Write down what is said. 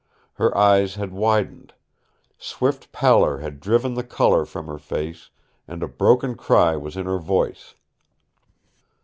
Her eyes had widened. Swift pallor had driven the color from her face, and a broken cry was in her voice.